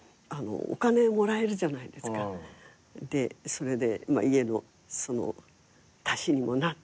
それで家の足しにもなったし。